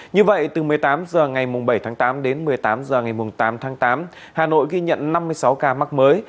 như vậy từ một mươi tám h ngày bảy tháng tám đến một mươi tám h ngày tám tháng tám hà nội ghi nhận năm mươi sáu ca mắc mới